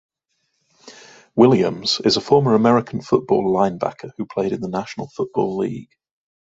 Williams, is a former American football linebacker who played in the National Football League.